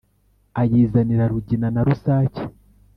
ayizanira rugina na rusake